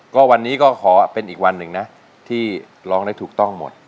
ก็วันนี้ก็ขอเป็นอีกวันหนึ่งนะที่ร้องได้ถูกต้องหมด